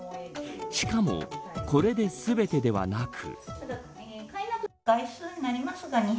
しかも、これで全てではなく。